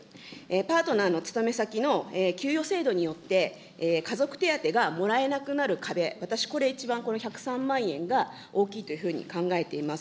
パートナーの勤め先の給与制度によって、家族手当がもらえなくなる壁、私、これ、一番この１０３万円が大きいというふうに考えています。